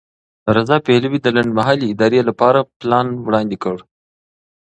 رضا پهلوي د لنډمهالې ادارې لپاره پلان وړاندې کړ.